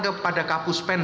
kepada kapus pen